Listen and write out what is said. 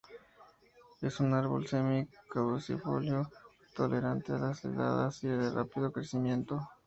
Es un árbol semi-caducifolio, tolerante a las heladas y de rápido crecimiento.